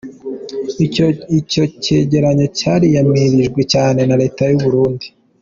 Icyo cegeranyo cyariyamirijwe cyane na leta y'u Burundi.